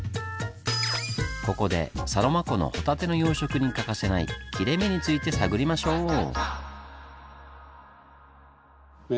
ここでサロマ湖のホタテの養殖に欠かせない切れ目について探りましょう！